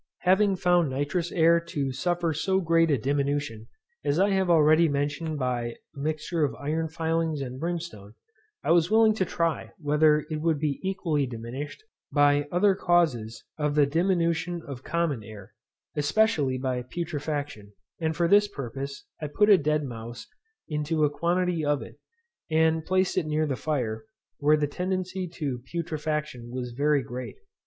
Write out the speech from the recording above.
Having found nitrous air to suffer so great a diminution as I have already mentioned by a mixture of iron filings and brimstone, I was willing to try whether it would be equally diminished by other causes of the diminution of common air, especially by putrefaction; and for this purpose I put a dead mouse into a quantity of it, and placed it near the fire, where the tendency to putrefaction was very great.